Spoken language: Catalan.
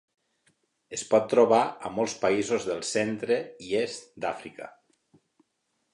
Es pot trobar a molts països del centre i est d'Àfrica.